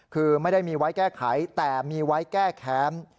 คือไม่ได้มีไว้แก้ไขแต่มีไว้แก้แค้น